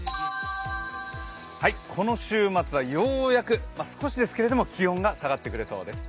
この週末はようやく少しですけれども、下がってくれそうです。